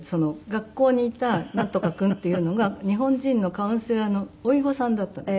学校にいたなんとか君っていうのが日本人のカウンセラーの甥御さんだった。